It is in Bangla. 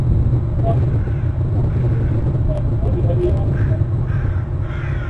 ককেশাসের ইতিহাস প্রভাবশালী জাতি ও তাদের সংস্কৃতির দ্বারা আবর্তিত হয়েছে।